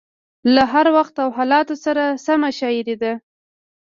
له هر وخت او حالاتو سره سمه شاعري ده.